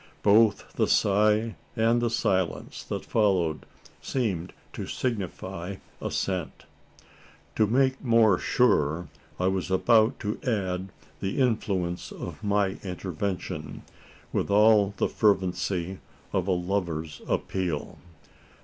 Both the sigh and the silence that followed seemed to signify assent. To make more sure, I was about to add the influence of my intervention, with all the fervency of a lover's appeal.